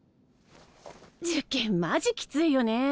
受験マジきついよね。